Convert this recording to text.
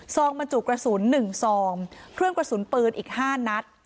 ซองมจุกระสุนหนึ่งซองเครื่องกระสุนปืนอีกห้านัด